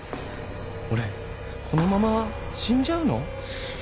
俺このまま死んじゃうの？